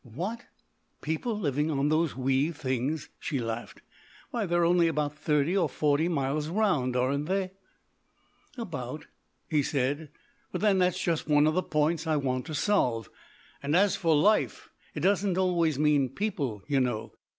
"What, people living on those wee things!" she laughed. "Why they're only about thirty or forty miles round, aren't they?" "About," he said, "but then that's just one of the points I want to solve; and as for life, it doesn't always mean people, you know.